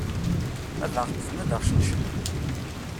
Ad aɣ-ṭṭfen ad aɣ-cneclen.